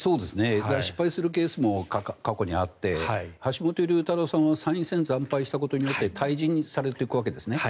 失敗するケースも過去にあって橋本龍太郎さんは参院選に惨敗したことによって退陣されていくわけですね。